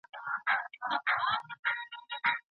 ساینس پوهنځۍ بې له ځنډه نه پیلیږي.